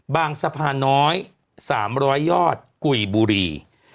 สะพานน้อย๓๐๐ยอดกุยบุรี